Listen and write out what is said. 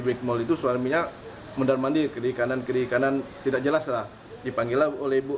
bikmol itu suaminya mendarmandir kiri kanan kiri kanan tidak jelas lah dipanggil oleh ibu